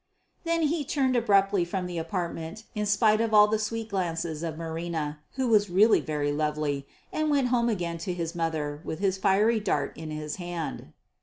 Then he turned abruptly from the apartment in spite of all the sweet glances of Marina, who was really very lovely, and went home again to his mother with his fiery dart in his hand.